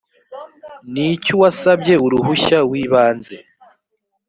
n icy uwasabye uruhushya w ibanze